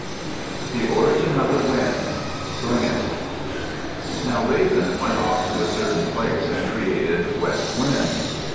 THE ORIGIN OF THE WINDS Tlingit Now Raven went off to a certain place and created West Wind.